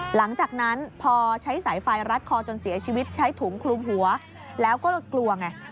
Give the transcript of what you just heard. หลังจากนั้นพอใช้สายไฟรัดคอจนเสียชีวิตใช้ถุงคลุมหัวแล้วก็กลัวไง